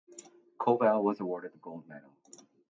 Koval was awarded the gold medal.